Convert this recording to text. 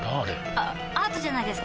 あアートじゃないですか？